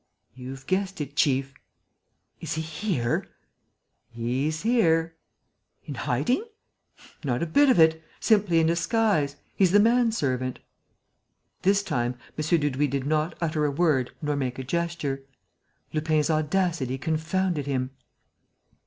"You've guessed it, chief!" "Is he here?" "He's here." "In hiding?" "Not a bit of it. Simply in disguise. He's the man servant." This time, M. Dudouis did not utter a word nor make a gesture. Lupin's audacity confounded him.